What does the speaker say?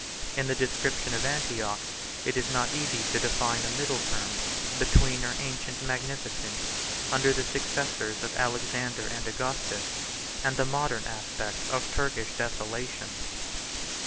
In the description of Antioch, 90 it is not easy to define a middle term between her ancient magnificence, under the successors of Alexander and Augustus, and the modern aspect of Turkish desolation.